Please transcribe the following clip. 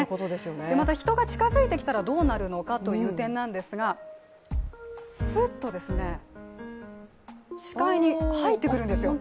また人が近づいたらどうなるのかという点ですがすっと視界に入ってくるんですよ。